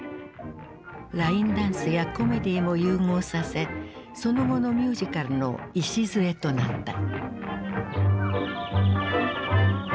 ラインダンスやコメディーも融合させその後のミュージカルの礎となった。